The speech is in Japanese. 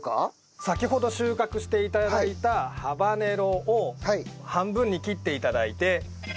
先ほど収穫して頂いたハバネロを半分に切って頂いて。